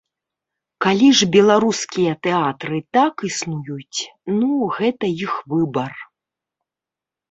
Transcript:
Калі ж беларускія тэатры так існуюць, ну, гэта іх выбар.